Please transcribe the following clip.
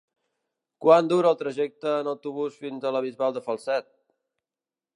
Quant dura el trajecte en autobús fins a la Bisbal de Falset?